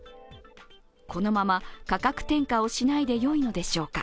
このまま価格転嫁をしないでよいのでしょうか。